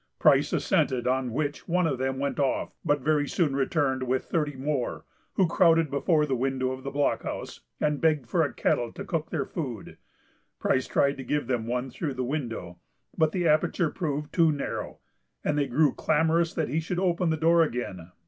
Price assented, on which one of them went off, but very soon returned with thirty more, who crowded before the window of the blockhouse, and begged for a kettle to cook their food. Price tried to give them one through the window, but the aperture proved too narrow, and they grew clamorous that he should open the door again.